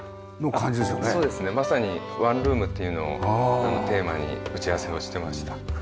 そうですねまさにワンルームっていうのをテーマに打ち合わせをしてました。